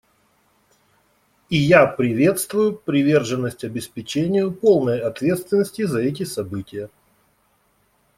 И я приветствую приверженность обеспечению полной ответственности за эти события.